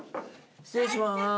失礼します。